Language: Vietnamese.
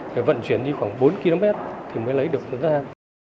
để vận chuyển đi khoảng bốn km thì mới lấy được một tấn thang